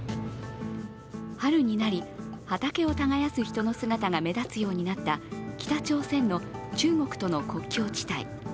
春になり、畑を耕す人の姿が目立つようになった北朝鮮の中国との国境地帯。